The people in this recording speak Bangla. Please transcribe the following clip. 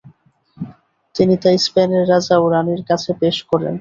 তিনি তা স্পেনের রাজা ও রাণীর কাছে পেশ করেন।